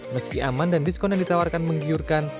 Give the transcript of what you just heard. meski aman dan diskon yang ditawarkan menggiurkan